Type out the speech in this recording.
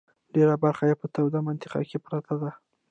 ډېره برخه یې په توده منطقه کې پرته ده.